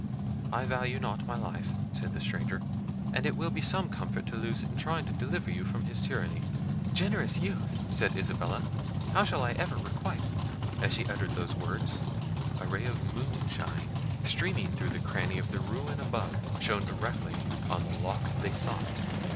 "I value not my life," said the stranger, "and it will be some comfort to lose it in trying to deliver you from his tyranny." "Generous youth," said Isabella, "how shall I ever requite—" As she uttered those words, a ray of moonshine, streaming through a cranny of the ruin above, shone directly on the lock they sought.